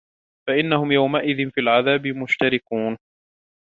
فَإِنَّهُمْ يَوْمَئِذٍ فِي الْعَذَابِ مُشْتَرِكُونَ